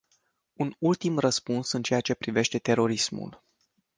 Un ultim răspuns în ceea ce privește terorismul.